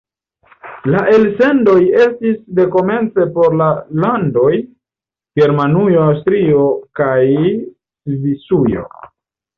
La elsendoj estis dekomence por la landoj Germanujo, Aŭstrio kaj Svisujo.